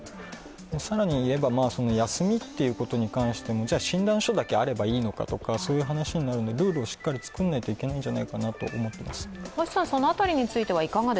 更にいえば、休みということに関しても、じゃ診断書だけあればいいのかそういう話になるので、ルールをしっかり作らないといけないのではないかと思っています。